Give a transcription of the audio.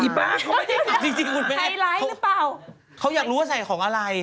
อีบ๊าเขาไม่ได้ตรงตาไฮไลท์หรือเปล่าเขาอยากรู้ว่าใส่ของอะไร